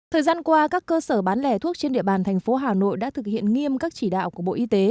thời gian qua các cơ sở bán lẻ thuốc trên địa bàn thành phố hà nội đã thực hiện nghiêm các chỉ đạo của bộ y tế